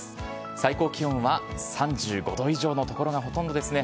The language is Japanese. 最高気温は３５度以上の所がほとんどですね。